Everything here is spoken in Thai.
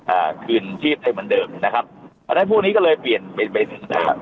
เอ่อคืนชีพได้เหมือนเดิมนะครับอันนั้นพวกนี้ก็เลยเปลี่ยนเป็นนะครับ